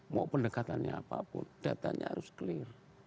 mau pendekatannya apapun datanya harus clear